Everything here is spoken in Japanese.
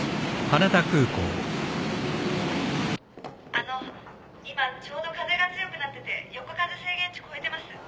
あの今ちょうど風が強くなってて横風制限値超えてます。